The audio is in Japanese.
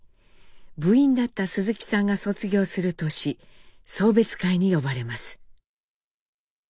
部員だった鈴木さんが卒業する年送別会に呼ばれます。